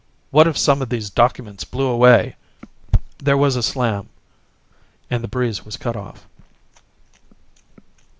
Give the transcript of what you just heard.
What if some of these documents blew away?" There was a slam, and the breeze was cut off.